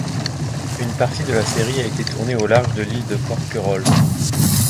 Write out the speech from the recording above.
Une partie de la série a été tournée au large de l'île de Porquerolles.